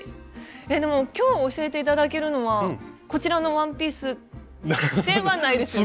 でも今日教えて頂けるのはこちらのワンピースではないですよね？